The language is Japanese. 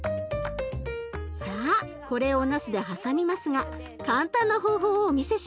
さあこれをなすではさみますが簡単な方法をお見せしましょう。